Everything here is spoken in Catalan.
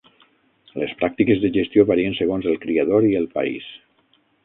Les pràctiques de gestió varien segons el criador i el país.